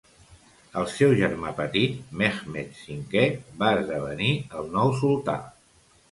El seu germà petit, Mehmed Cinquè, va esdevenir el nou sultà.